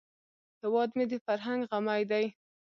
هیواد مې د فرهنګ غمی دی